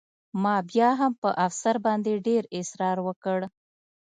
ما بیا هم په افسر باندې ډېر اسرار وکړ